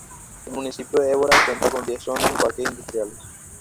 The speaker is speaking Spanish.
El municipio de Évora cuenta con diez zonas y parques industriales.